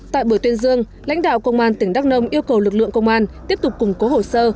tại buổi tuyên dương lãnh đạo công an tỉnh đắk nông yêu cầu lực lượng công an tiếp tục củng cố hồ sơ